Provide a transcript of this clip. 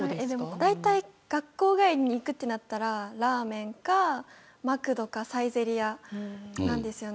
だいたい学校帰りに行くとなったらラーメンか、マクドかサイゼリヤなんですよね。